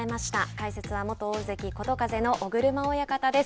解説は元大関・琴風の尾車親方です。